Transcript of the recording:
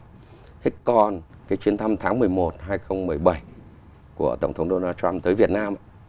thế còn cái chuyến thăm tháng một mươi một hai nghìn một mươi bảy của tổng thống donald trump tới việt nam